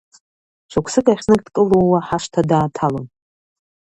Шықәсык ахь знык дкылууаа ҳашҭа дааҭалон.